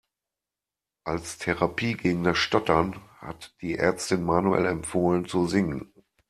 Als Therapie gegen das Stottern hat die Ärztin Manuel empfohlen zu singen.